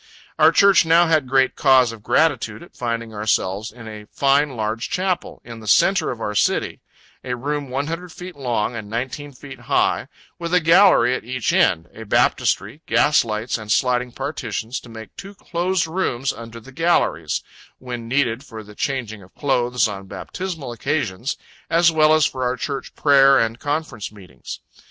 Our Church now had great cause of gratitude at finding ourselves in a fine large Chapel, in the centre of our city a room 100 feet long, and 19 feet high, with a gallery at each end, a baptistery, gas lights, and sliding partitions, to make two closed rooms under the galleries, when needed for the changing of clothes on baptismal occasions, as well as for our Church prayer and conference meetings.